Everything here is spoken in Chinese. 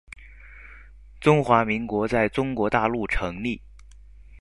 中华民国在中国大陆成立